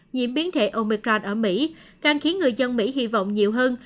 nhiễm biến thể omican ở mỹ càng khiến người dân mỹ hy vọng nhiều hơn